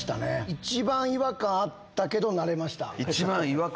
一番違和感あったけど慣れた！